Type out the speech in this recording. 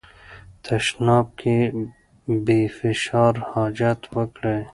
تشناب کې بې فشار حاجت وکړئ.